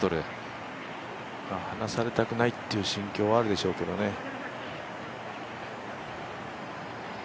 離されたくないという心境はあるでしょうけどね。